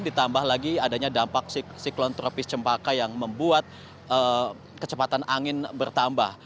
ditambah lagi adanya dampak siklon tropis cempaka yang membuat kecepatan angin bertambah